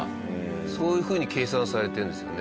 そういうふうに計算されてるんですよね。